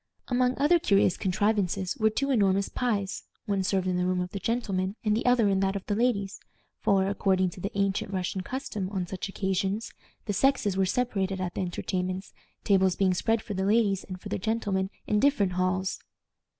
Among other curious contrivances were two enormous pies, one served in the room of the gentlemen and the other in that of the ladies; for, according to the ancient Russian custom on such occasions, the sexes were separated at the entertainments, tables being spread for the ladies and for the gentlemen in different halls.